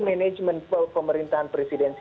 manajemen pemerintahan presiden